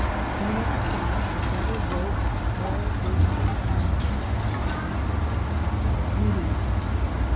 On the other side a double row of tall, graceful palms adds a touch of tropical beauty.